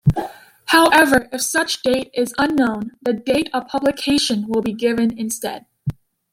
However, if such date is unknown, the date of publication will be given instead.